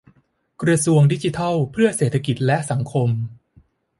กระทรวงดิจิทัลเพื่อเศรษฐกิจและสังคม